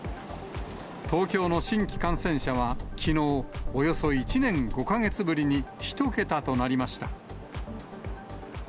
東京の新規感染者はきのう、およそ１年５か月ぶりに１桁となりました。